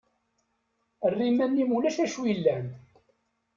Err iman-im ulac acu yellan.